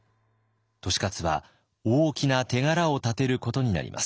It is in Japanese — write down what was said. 利勝は大きな手柄を立てることになります。